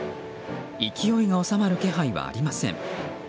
勢いが収まる気配はありません。